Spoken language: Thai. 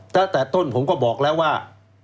ตั้งแต่ต้นผมก็บอกแล้วว่า